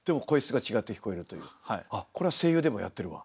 あっこれは声優でもやってるわ。